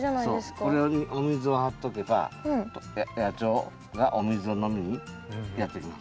ここにお水を張っておけば野鳥がお水を飲みにやって来ます。